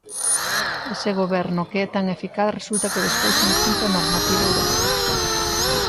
Ese Goberno que é tan eficaz resulta que despois incumpre a normativa europea.